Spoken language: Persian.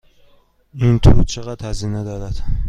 این تور چقدر هزینه دارد؟